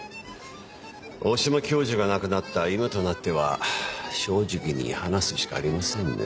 大島教授が亡くなった今となっては正直に話すしかありませんね。